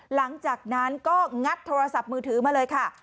หลังจากนั้นก็งัดโทรศัพท์มือถือมาเลยค่ะ